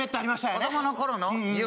子供の頃の夢？